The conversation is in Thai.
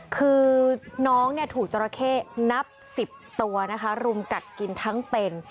คือน้องถูกจราเข้นับ๑๐ตัวนะคะรุมกัดกินทั้งเป็น